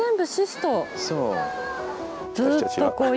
そう。